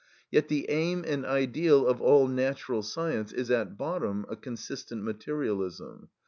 Yet the aim and ideal of all natural science is at bottom a consistent materialism.